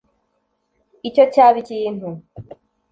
icyo cyaba ikintu